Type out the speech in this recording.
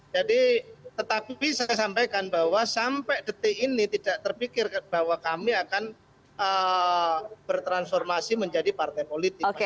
jadi tetapi saya sampaikan bahwa sampai detik ini tidak terpikir bahwa kami akan bertransformasi menjadi partai politik